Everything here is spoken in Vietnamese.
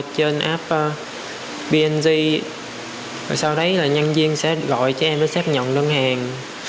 trên app p g sau đấy nhân viên sẽ gọi cho em xếp nhẫn đơn hàng